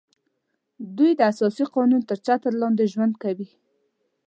دوی د اساسي قانون تر چتر لاندې ژوند کوي